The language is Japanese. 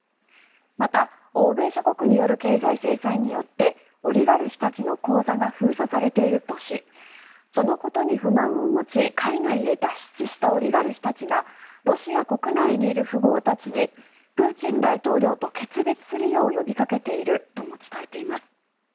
また欧米諸国による経済制裁によってオリガルヒたちの口座が封鎖されているとしそのことに不満を持ち海外へ脱出したオリガルヒたちがロシア国内にいる富豪たちにプーチン大統領と決別するよう呼びかけているとも伝えています。